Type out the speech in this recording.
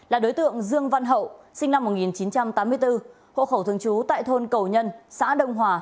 là đối tượng dương văn hậu sinh năm một nghìn chín trăm tám mươi bốn hộ khẩu thường trú tại thôn cầu nhân xã đông hòa